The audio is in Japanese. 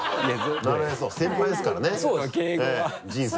なるへそ先輩ですからね人生の。